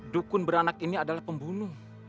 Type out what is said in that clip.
dukun beranak ini adalah pembunuh